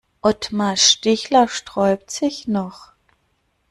Otmar Stichler sträubt sich noch.